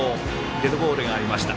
デッドボールがありました。